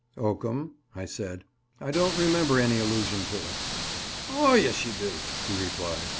"Oakum," I said; "I don't remember any allusion to it." "O yes you do," he replied.